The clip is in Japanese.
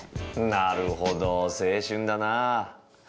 なるほど青春だなぁ。